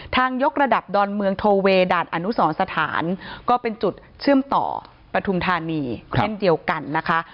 ยกระดับดอนเมืองโทเวด่านอนุสรสถานก็เป็นจุดเชื่อมต่อปฐุมธานีเช่นเดียวกันนะคะ